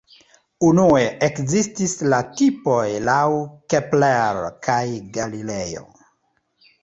Unue ekzistis la tipoj laŭ Kepler kaj Galilejo.